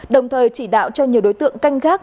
đồng thời chỉ đạo cho nhiều đối tượng canh gác